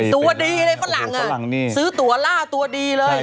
ตัวดีเลยฝรั่งซื้อตัวล่าตัวดีเลย